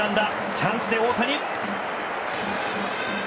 チャンスで大谷です。